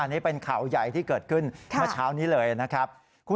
อันนี้เป็นข่าวใหญ่ที่เกิดขึ้นเมื่อเช้านี้เลยนะครับ